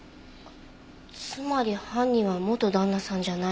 つまり犯人は元旦那さんじゃない。